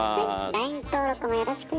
ＬＩＮＥ登録もよろしくね。